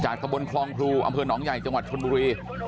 ตะบนคลองพลูอำเภอหนองใหญ่จังหวัดชนบุรี